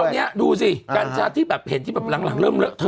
คราวนี้ดูสิกันชาติที่แบบเห็นที่แบบหลังเริ่มเลิก